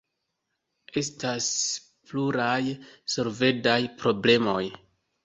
Estas pluraj solvendaj problemoj.